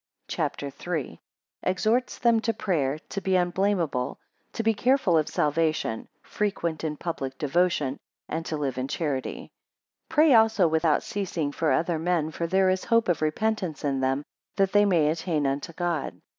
CHAPTER III. 1 Exhorts them to prayer; to be unblamable. 5 To be careful of salvation; 11 frequent in public devotion; 13 and to live in charity. PRAY also without ceasing for other men; for there is hope of repentance in them, that they may attain unto God.